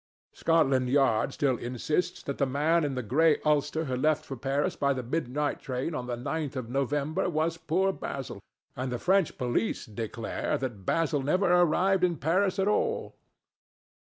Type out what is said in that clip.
Scotland Yard still insists that the man in the grey ulster who left for Paris by the midnight train on the ninth of November was poor Basil, and the French police declare that Basil never arrived in Paris at all.